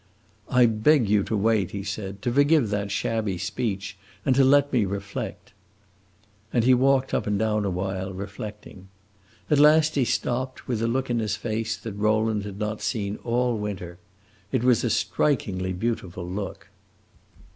"I beg you to wait," he said, "to forgive that shabby speech, and to let me reflect." And he walked up and down awhile, reflecting. At last he stopped, with a look in his face that Rowland had not seen all winter. It was a strikingly beautiful look.